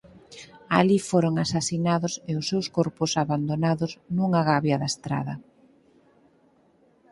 Alí foron asasinados e os seus corpos abandonados nunha gabia da estrada.